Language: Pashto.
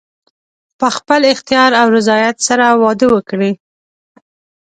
په خپل اختیار او رضایت سره واده وکړي.